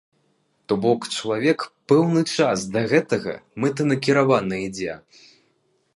То бок чалавек пэўны час да гэтага мэтанакіравана ідзе.